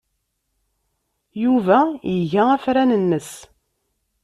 Yuba iga afran-nnes.